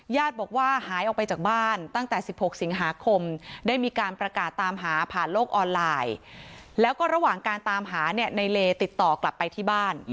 บอกว่าหายออกไปจากบ้านตั้งแต่๑๖สิงหาคมได้มีการประกาศตามหาผ่านโลกออนไลน์แล้วก็ระหว่างการตามหาเนี่ยในเลติดต่อกลับไปที่บ้าน